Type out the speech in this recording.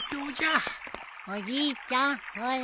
おじいちゃんほら。